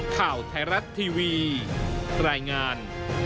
ข่าวไทยรัฐทีวีรายงาน